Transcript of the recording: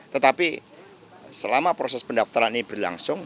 tetapi selama proses pendaftaran ini berlangsung